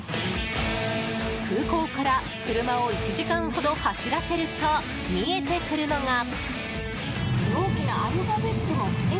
空港から車を１時間ほど走らせると見えてくるのが。